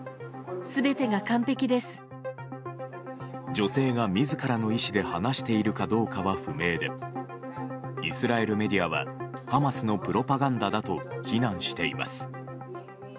女性が自らの意思で話しているかどうかは不明でイスラエルメディアはハマスのプロパガンダだと非難しています。